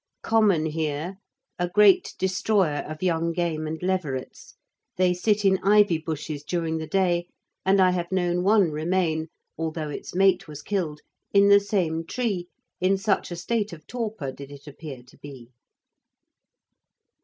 "Common here ... a great destroyer of young game and leverets ... they sit in ivy bushes during the day, and I have known one remain, altho' its mate was killed, in the same tree, in such a state of torpor did it appear to be...."